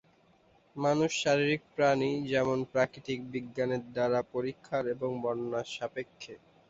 মানুষ শারীরিক প্রাণী এবং যেমন প্রাকৃতিক বিজ্ঞানের দ্বারা পরীক্ষার এবং বর্ণনার সাপেক্ষে।